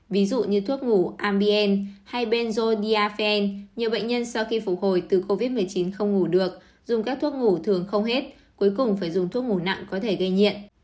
ví dụ như thuốc ngủ ambien hay benzo dia felen nhiều bệnh nhân sau khi phục hồi từ covid một mươi chín không ngủ được dùng các thuốc ngủ thường không hết cuối cùng phải dùng thuốc ngủ nặng có thể gây nghiện